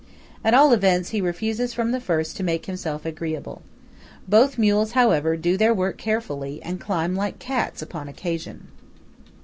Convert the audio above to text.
At all events, he refuses from the first to make himself agreeable. Both mules, however, do their work wonderfully, and climb like cats upon occasion.